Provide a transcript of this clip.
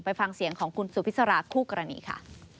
ฟังเสียงของคุณสุพิษราคู่กรณีค่ะ